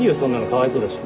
かわいそうだし。